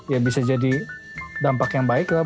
ya bisa jadi dampak yang baik lah